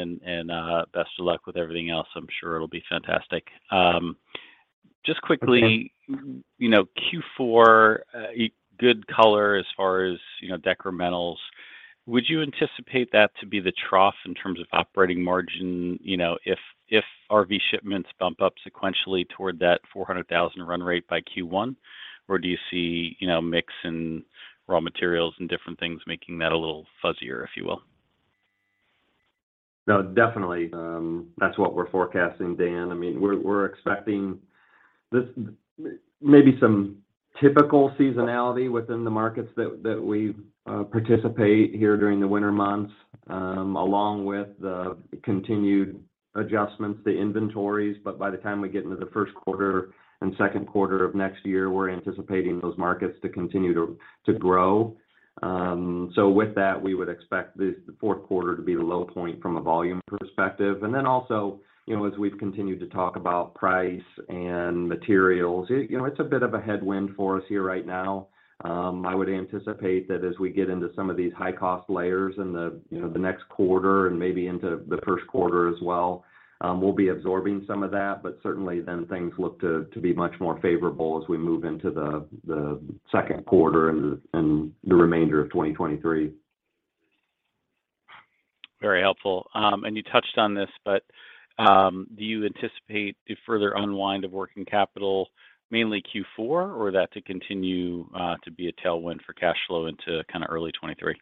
best of luck with everything else. I'm sure it'll be fantastic. Just quickly. Thank you. You know, Q4, a good color as far as, you know, incrementals. Would you anticipate that to be the trough in terms of operating margin, you know, if RV shipments bump up sequentially toward that 400,000 run rate by Q1? Or do you see, you know, mix in raw materials and different things making that a little fuzzier, if you will? No, definitely, that's what we're forecasting, Dan. I mean, we're expecting maybe some typical seasonality within the markets that we participate here during the winter months, along with the continued adjustments to inventories. By the time we get into the first quarter and second quarter of next year, we're anticipating those markets to continue to grow. With that, we would expect the fourth quarter to be the low point from a volume perspective. Then also, you know, as we've continued to talk about price and materials, it, you know, it's a bit of a headwind for us here right now. I would anticipate that as we get into some of these high-cost layers in the, you know, the next quarter and maybe into the first quarter as well, we'll be absorbing some of that, but certainly then things look to be much more favorable as we move into the second quarter and the remainder of 2023. Very helpful. You touched on this, but do you anticipate the further unwind of working capital mainly Q4 or that to continue to be a tailwind for cash flow into kinda early 2023?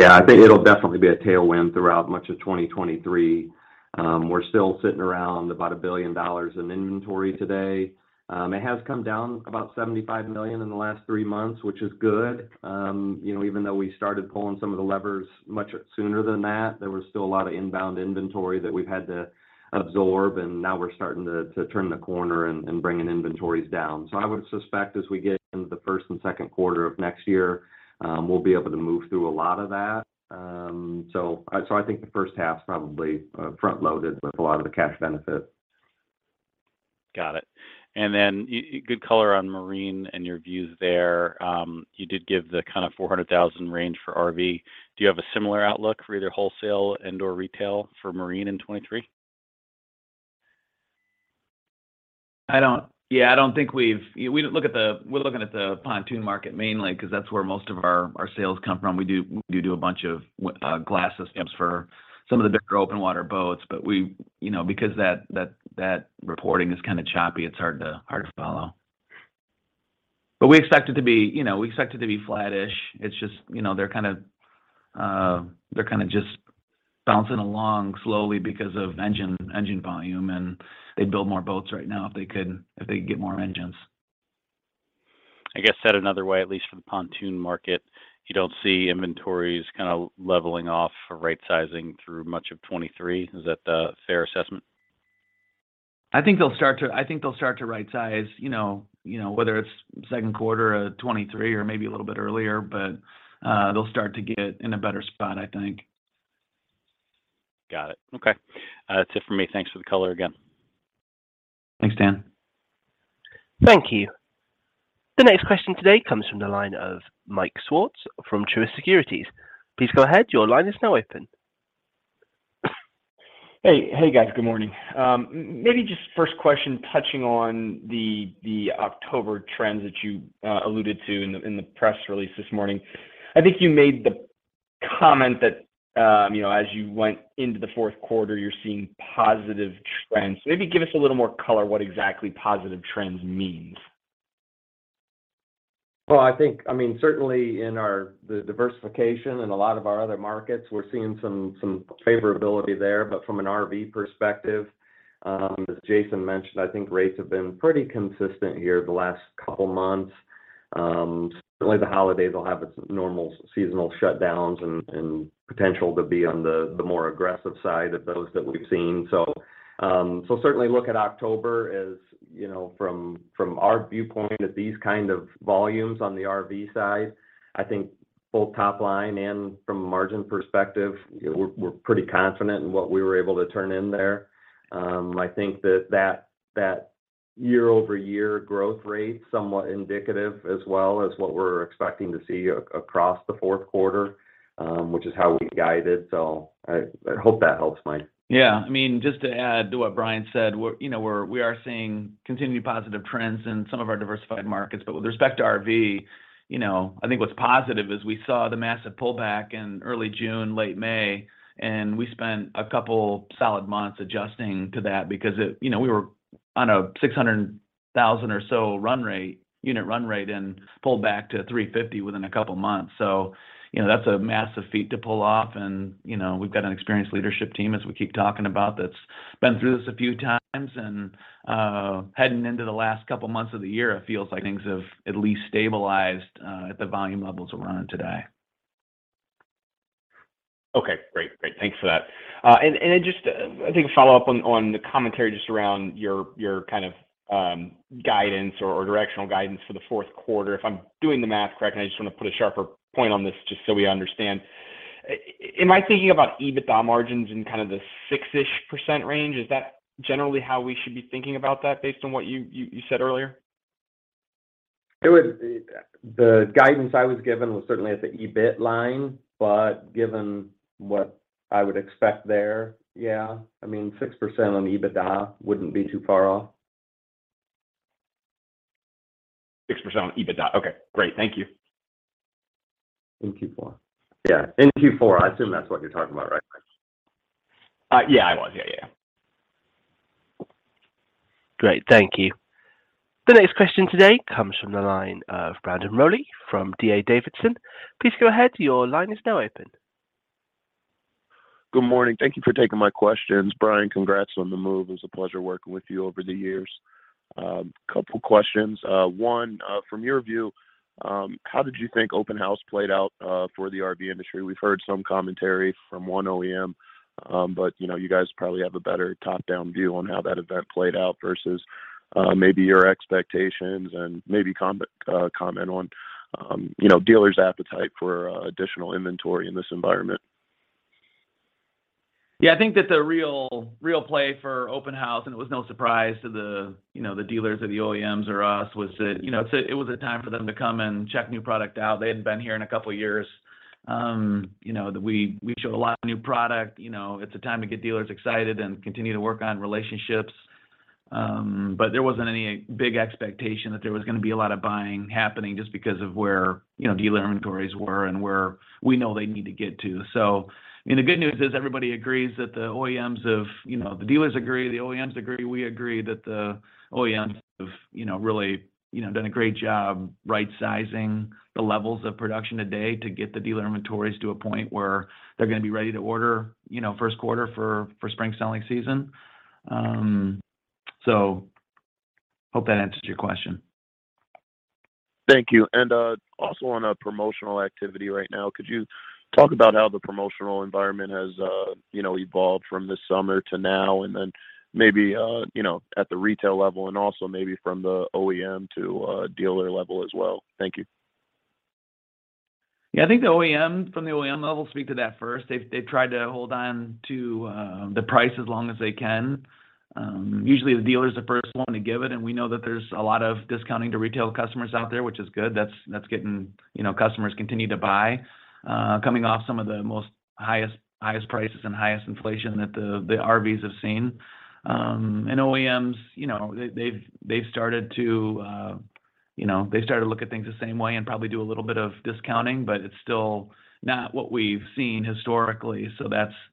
Yeah. I think it'll definitely be a tailwind throughout much of 2023. We're still sitting around about $1 billion in inventory today. It has come down about $75 million in the last three months, which is good. You know, even though we started pulling some of the levers much sooner than that, there was still a lot of inbound inventory that we've had to absorb, and now we're starting to turn the corner and bringing inventories down. I would suspect as we get into the first and second quarter of next year, we'll be able to move through a lot of that. I think the first half's probably front-loaded with a lot of the cash benefit. Got it. Good color on marine and your views there. You did give the kinda 400,000 range for RV. Do you have a similar outlook for either wholesale and/or retail for marine in 2023? Yeah, I don't think we've. You know, we're looking at the pontoon market mainly 'cause that's where most of our sales come from. We do a bunch of glass systems for some of the bigger open water boats, but you know, because that reporting is kinda choppy, it's hard to follow. We expect it to be, you know, flattish. It's just, you know, they're kinda just bouncing along slowly because of engine volume, and they'd build more boats right now if they could get more engines. I guess, said another way, at least for the pontoon market, you don't see inventories kinda leveling off for right sizing through much of 2023. Is that a fair assessment? I think they'll start to right size, you know, whether it's second quarter of 2023 or maybe a little bit earlier. They'll start to get in a better spot, I think. Got it. Okay. That's it for me. Thanks for the color again. Thanks, Dan. Thank you. The next question today comes from the line of Michael Swartz from Truist Securities. Please go ahead, your line is now open. Hey. Hey, guys. Good morning. Maybe just first question touching on the October trends that you alluded to in the press release this morning. I think you made the comment that, you know, as you went into the fourth quarter, you're seeing positive trends. Maybe give us a little more color what exactly positive trends means. Well, I think, I mean, certainly in our, the diversification in a lot of our other markets, we're seeing some favorability there. From an RV perspective, as Jason mentioned, I think rates have been pretty consistent here the last couple months. Certainly the holidays will have its normal seasonal shutdowns and potential to be on the more aggressive side of those that we've seen. Certainly look at October as, you know, from our viewpoint at these kind of volumes on the RV side. I think both top line and from a margin perspective, you know, we're pretty confident in what we were able to turn in there. I think that year-over-year growth rate somewhat indicative as well as what we're expecting to see across the fourth quarter, which is how we guide it. I hope that helps, Mike. Yeah. I mean, just to add to what Brian said, you know, we are seeing continued positive trends in some of our diversified markets. With respect to RV, you know, I think what's positive is we saw the massive pullback in early June, late May, and we spent a couple solid months adjusting to that because it, you know, we were on a 600,000 or so run rate, unit run rate and pulled back to 350 within a couple months. You know, that's a massive feat to pull off and, you know, we've got an experienced leadership team, as we keep talking about, that's been through this a few times. Heading into the last couple months of the year, it feels like things have at least stabilized at the volume levels we're on today. Okay. Great. Thanks for that. I think a follow-up on the commentary just around your kind of guidance or directional guidance for the fourth quarter. If I'm doing the math correctly, I just want to put a sharper point on this just so we understand, am I thinking about EBITDA margins in kind of the 6%-ish range? Is that generally how we should be thinking about that based on what you said earlier? The guidance I was given was certainly at the EBIT line, but given what I would expect there, yeah. I mean, 6% on EBITDA wouldn't be too far off. 6% on EBITDA. Okay, great. Thank you. In Q4. Yeah, in Q4. I assume that's what you're talking about, right, Mike? Yeah, I was. Yeah, yeah. Great. Thank you. The next question today comes from the line of Brandon Rollins from D.A. Davidson. Please go ahead, your line is now open. Good morning. Thank you for taking my questions. Brian, congrats on the move. It was a pleasure working with you over the years. Couple questions. One, from your view, how did you think Open House played out for the RV industry? We've heard some commentary from one OEM, but you know, you guys probably have a better top-down view on how that event played out versus maybe your expectations and maybe comment on you know, dealers' appetite for additional inventory in this environment. Yeah. I think that the real play for Open House, and it was no surprise to the, you know, the dealers or the OEMs or us, was that, you know, it's a, it was a time for them to come and check new product out. They hadn't been here in a couple years. You know, that we showed a lot of new product. You know, it's a time to get dealers excited and continue to work on relationships. There wasn't any big expectation that there was gonna be a lot of buying happening just because of where, you know, dealer inventories were and where we know they need to get to. I mean, the good news is everybody agrees that the OEMs have, you know, the dealers agree, the OEMs agree, we agree that the OEMs have, you know, really, you know, done a great job right-sizing the levels of production today to get the dealer inventories to a point where they're gonna be ready to order, you know, first quarter for spring selling season. So hope that answers your question. Thank you. Also on promotional activity right now, could you talk about how the promotional environment has, you know, evolved from this summer to now, and then maybe, you know, at the retail level and also maybe from the OEM to dealer level as well? Thank you. I think from the OEM level, speaking to that first. They've tried to hold on to the price as long as they can. Usually the dealer's the first one to give it, and we know that there's a lot of discounting to retail customers out there, which is good. That's getting, you know, customers continue to buy coming off some of the highest prices and highest inflation that the RVs have seen. OEMs, you know, they've started to look at things the same way and probably do a little bit of discounting, but it's still not what we've seen historically.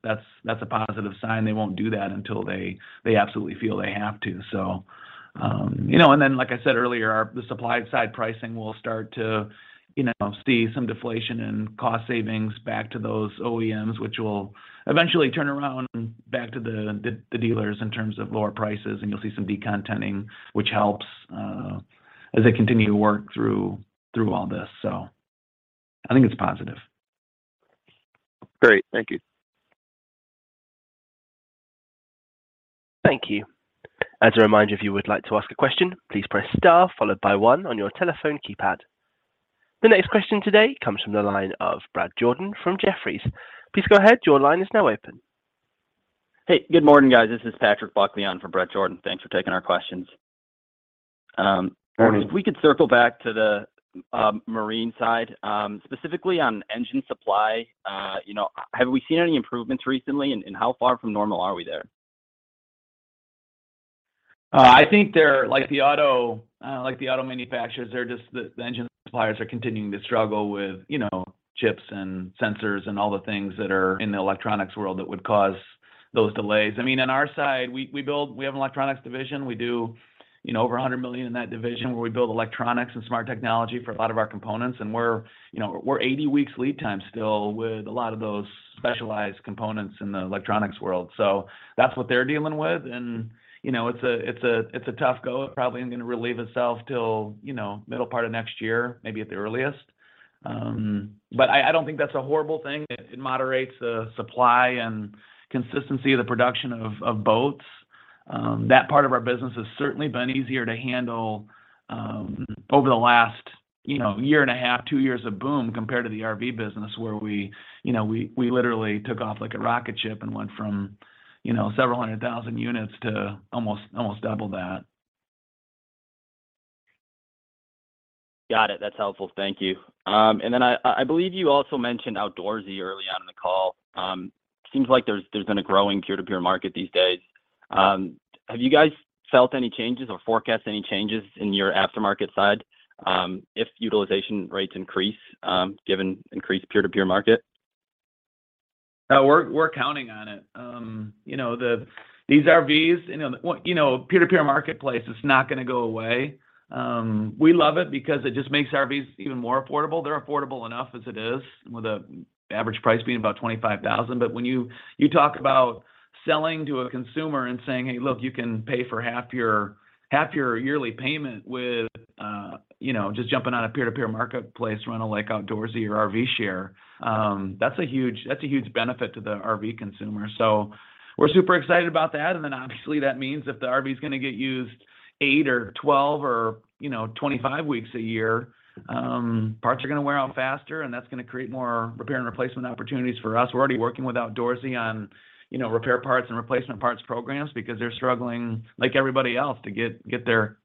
That's a positive sign. They won't do that until they absolutely feel they have to. You know, and then like I said earlier, the supply side pricing will start to, you know, see some deflation and cost savings back to those OEMs, which will eventually turn around back to the dealers in terms of lower prices, and you'll see some de-contenting, which helps as they continue to work through all this. I think it's positive. Great. Thank you. Thank you. As a reminder, if you would like to ask a question, please press star followed by 1 on your telephone keypad. The next question today comes from the line of Bret Jordan from Jefferies. Please go ahead. Your line is now open. Hey. Good morning, guys. This is Patrick Baumann for Bret Jordan. Thanks for taking our questions. Morning. If we could circle back to the marine side. Specifically on engine supply, you know, have we seen any improvements recently, and how far from normal are we there? I think they're like the auto manufacturers. They're just the engine suppliers are continuing to struggle with, you know, chips and sensors and all the things that are in the electronics world that would cause those delays. I mean, on our side, we have an electronics division. We do, you know, over $100 million in that division where we build electronics and smart technology for a lot of our components, and we're, you know, 80 weeks lead time still with a lot of those specialized components in the electronics world. So that's what they're dealing with and, you know, it's a tough go. It probably isn't gonna relieve itself till, you know, middle part of next year, maybe at the earliest. I don't think that's a horrible thing. It moderates the supply and consistency of the production of boats. That part of our business has certainly been easier to handle over the last, you know, year and a half, two years of boom compared to the RV business where we, you know, literally took off like a rocket ship and went from, you know, several hundred thousand units to almost double that. Got it. That's helpful. Thank you. I believe you also mentioned Outdoorsy early on in the call. Seems like there's been a growing peer-to-peer market these days. Have you guys felt any changes or forecast any changes in your aftermarket side, if utilization rates increase, given increased peer-to-peer market? We're counting on it. You know, these RVs, you know, one peer-to-peer marketplace is not gonna go away. We love it because it just makes RVs even more affordable. They're affordable enough as it is, with the average price being about $25,000. When you talk about selling to a consumer and saying, "Hey, look, you can pay for half your yearly payment with, you know, just jumping on a peer-to-peer marketplace rental like Outdoorsy or RVshare," that's a huge benefit to the RV consumer. We're super excited about that, and then obviously that means if the RV's gonna get used 8 or 12 or, you know, 25 weeks a year, parts are gonna wear out faster, and that's gonna create more repair and replacement opportunities for us. We're already working with Outdoorsy on, you know, repair parts and replacement parts programs because they're struggling, like everybody else, to get their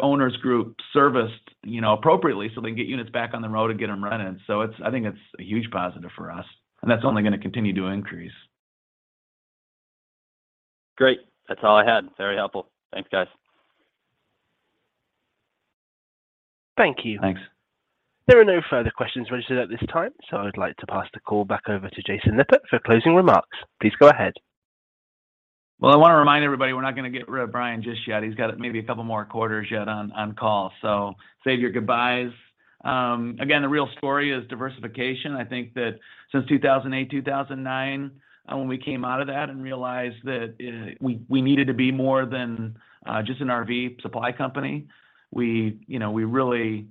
owners group serviced, you know, appropriately so they can get units back on the road and get them running. So it's, I think, a huge positive for us. That's only gonna continue to increase. Great. That's all I had. Very helpful. Thanks, guys. Thank you. Thanks. There are no further questions registered at this time, so I'd like to pass the call back over to Jason Lippert for closing remarks. Please go ahead. Well, I wanna remind everybody we're not gonna get rid of Brian just yet. He's got maybe a couple more quarters yet on call. So save your goodbyes. Again, the real story is diversification. I think that since 2008, 2009, when we came out of that and realized that we needed to be more than just an RV supply company, we really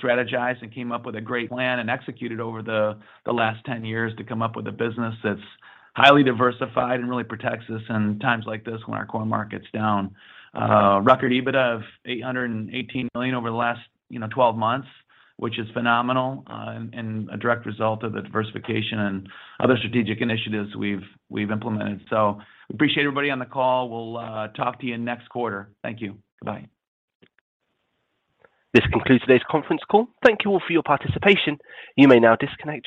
strategized and came up with a great plan and executed over the last 10 years to come up with a business that's highly diversified and really protects us in times like this when our core market's down. Record EBIT of $818 million over the last 12 months, which is phenomenal, and a direct result of the diversification and other strategic initiatives we've implemented. Appreciate everybody on the call. We'll talk to you next quarter. Thank you. Goodbye. This concludes today's conference call. Thank you all for your participation. You may now disconnect your.